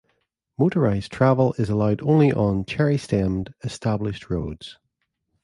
Motorized travel is allowed only on "cherry-stemmed" established roads.